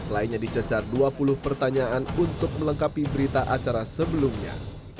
lainnya dicecar dua puluh pertanyaan untuk melengkapi berita acara sebelumnya